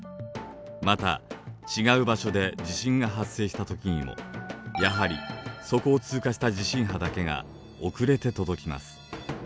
また違う場所で地震が発生したときにもやはりそこを通過した地震波だけが遅れて届きます。